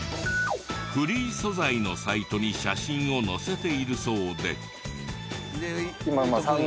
フリー素材のサイトに写真を載せているそうで。